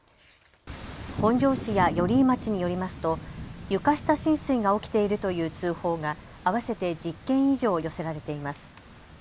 本庄市や寄居町によりますと床下浸水が起きているという通報が合わせて１０件以上寄せられています。